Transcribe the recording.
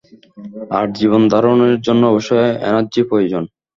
আর জীবন ধারণের জন্য অবশ্যই এনার্জি প্রয়োজন।